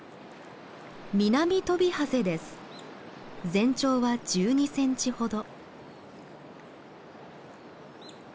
全長は１２センチほど。